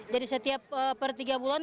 jadi setiap per tiga bulan